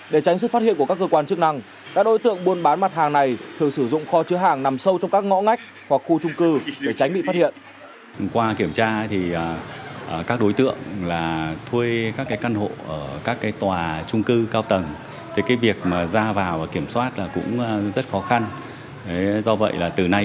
để tránh sức phát hiện của các cơ quan chức năng các đối tượng buôn bán mặt hàng này